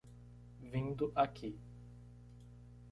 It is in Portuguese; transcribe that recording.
Vindo aqui